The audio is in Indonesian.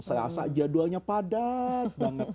selasa jadwalnya padat